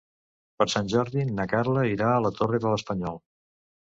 Per Sant Jordi na Carla irà a la Torre de l'Espanyol.